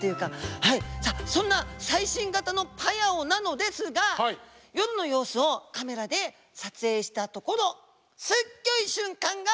さあそんな最新型のパヤオなのですが夜の様子をカメラで撮影したところすっギョい瞬間が撮影できました。